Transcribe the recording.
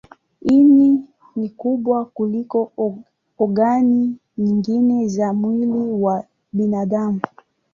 Ini ni kubwa kuliko ogani nyingine za mwili wa binadamu.